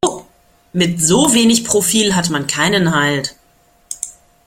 Mit so wenig Profil hat man keinen Halt.